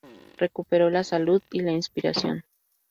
Recuperó la salud y la inspiración.